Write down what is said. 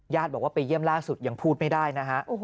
บอกว่าไปเยี่ยมล่าสุดยังพูดไม่ได้นะฮะ